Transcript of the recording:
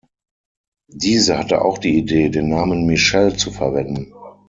Diese hatte auch die Idee, den Namen Michelle zu verwenden.